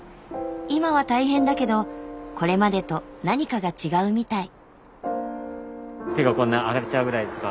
今は大変だけどこれまでと何かが違うみたい。